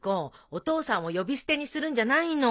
お父さんを呼び捨てにするんじゃないの。